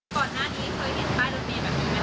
ก่อนหน้านี้เคยเห็นป้ายรถเมย์แบบนี้ไหมค